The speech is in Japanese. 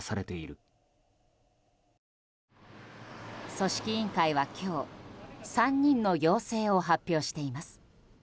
組織委員会は今日３人の陽性を発表しています。